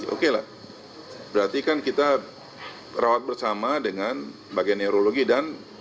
oke lah berarti kan kita rawat bersama dengan bagian neurologi dan